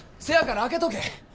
せやから空けとけ。